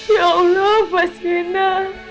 ya allah mas yena